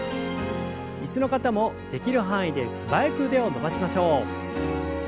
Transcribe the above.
椅子の方もできる範囲で素早く腕を伸ばしましょう。